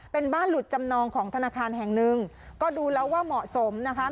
เป็นบ้านหลุดจำนองของธนาคารแห่งหนึ่งก็ดูแล้วว่าเหมาะสมนะคะ